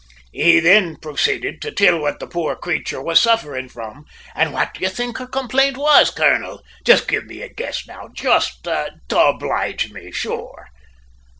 "He thin prosayded to till what the poor crayture was sufferin' from, an' what d'ye think her complaint was, colonel? Jist give a guess, now, jist to oblige me, sure."